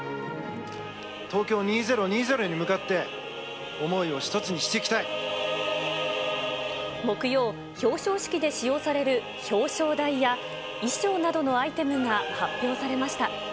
東京２０２０に向かって思い木曜、表彰式で使用される表彰台や衣装などのアイテムが発表されました。